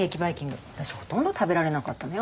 私ほとんど食べられなかったのよ。